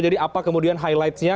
jadi apa kemudian highlight nya